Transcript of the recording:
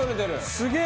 すげえ！